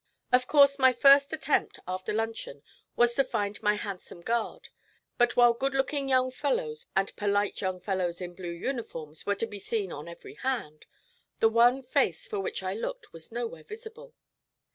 Of course my first attempt, after luncheon, was to find my handsome guard; but while good looking young fellows and polite young fellows in blue uniforms were to be seen on every hand, the one face for which I looked was nowhere visible.